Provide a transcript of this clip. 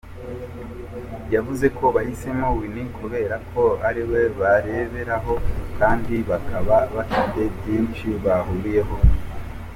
Yavuze ko bahisemo Whitney kubera ko ari we bareberaho, kandi bakaba bafite byinshi bahuriyeho.